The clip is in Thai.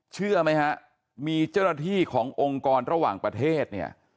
เชื่อไหมฮะมีเจ้าหน้าที่ขององค์กรระหว่างประเทศเนี่ย